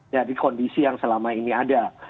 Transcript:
dari kondisi yang selama ini ada